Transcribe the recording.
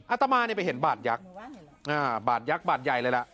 อาตมาเนี่ยไปเห็นบาดยักษ์บาดยักษ์บาดใหญ่เลยล่ะ